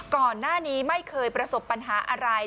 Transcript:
ก่อนหน้านี้ไม่เคยประสบปัญหาอะไร